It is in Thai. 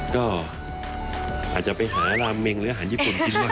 ก็อาจจะไปหาราเมงหรืออาหารญี่ปุ่นกินได้